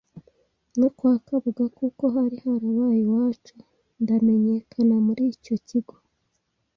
nko kwa kabuga kuko hari harabaye iwacu ndamenyekana muri icyo kigo